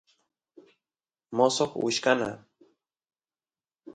mosoq wichkana